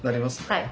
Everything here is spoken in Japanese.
はい。